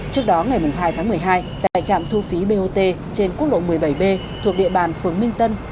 trước đó ngày hai tháng một mươi hai tại trạm thu phí bot trên quốc lộ một mươi bảy b thuộc địa bàn phường minh tân